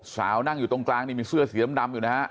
นั่งอยู่ตรงกลางนี่มีเสื้อสีดำอยู่นะฮะ